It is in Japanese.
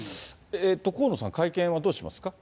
河野さん、会見はどうしますか？